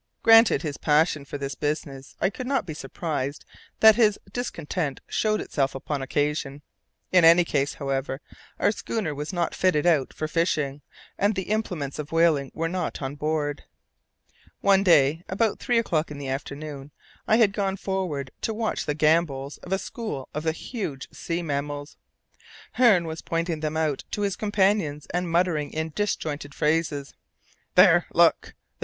Granted his passion for this business, I could not be surprised that his discontent showed itself upon occasion. In any case, however, our schooner was not fitted out for fishing, and the implements of whaling were not on board. One day, about three o'clock in the afternoon, I had gone forward to watch the gambols of a "school" of the huge sea mammals. Hearne was pointing them out to his companions, and muttering in disjointed phrases, "There, look there!